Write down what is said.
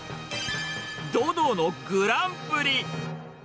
堂々のグランプリ。